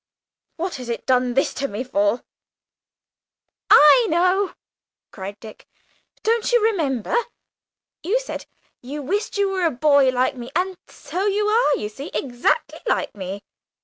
What has it done this to me for?" "I know!" cried Dick. "Don't you remember? You said you wished you were a boy again, like me. So you are, you see, exactly like me!